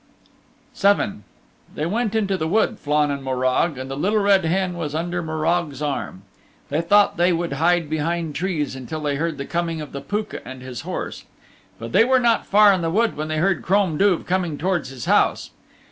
VII They went into the wood, Flann and Morag, and the Little Red Hen was under Morag's arm. They thought they would hide behind trees until they heard the coming of the Pooka and his horse. But they were not far in the wood when they heard Crom Duv coming towards his house.